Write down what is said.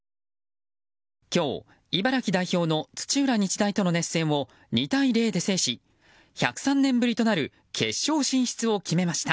今日、茨城代表の土浦日大との熱戦を２対０で制し１０３年ぶりとなる決勝進出を決めました。